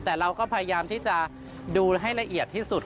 แต่เราก็พยายามที่จะดูให้ละเอียดที่สุด